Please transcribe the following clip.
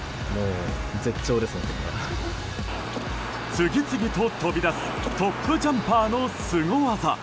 次々と飛び出すトップジャンパーのスゴ技。